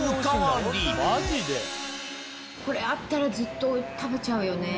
これあったらずっと食べちゃうよね。